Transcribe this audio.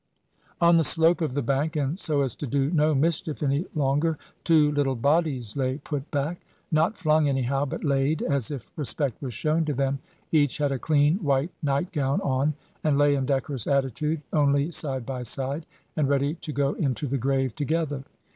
On the slope of the bank, and so as to do no mischief any longer, two little bodies lay put back; not flung anyhow; but laid, as if respect was shown to them. Each had a clean white night gown on, and lay in decorous attitude, only side by side, and ready to go into the grave together.